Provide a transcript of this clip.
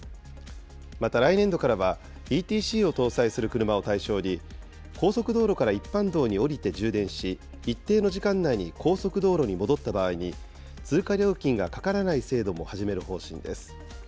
また来年度からは、ＥＴＣを搭載する車を対象に、高速道路から一般道に降りて充電し、一定の時間内に高速道路に戻った場合に追加料金がかからない制度も始める方針です。